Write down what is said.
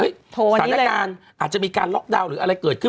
สถานการณ์อาจจะมีการล็อกดาวน์หรืออะไรเกิดขึ้น